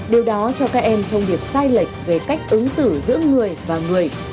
điều đó cho các em thông điệp sai lệch về cách ứng xử giữa người và người